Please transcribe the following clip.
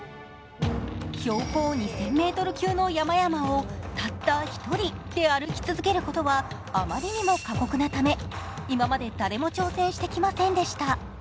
標高２０００ｍ級の山々をたった１人で歩き続けることはあまりにも過酷なため、今まで誰も挑戦してきませんでした。